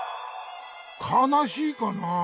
かなしいかなあ？